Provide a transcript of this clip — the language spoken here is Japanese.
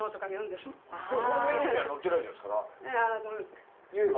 でもこのメニューには載ってないじゃないですかラーメン。